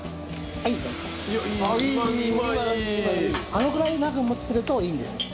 あのぐらいまで持ってるといいんですね。